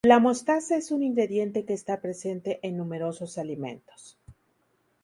La mostaza es un ingrediente que está presente en numerosos alimentos.